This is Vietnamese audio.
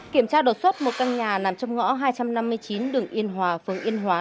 kiểm tra đột xuất một căn nhà nằm trong ngõ hai trăm năm mươi chín đường yên hòa phường yên hòa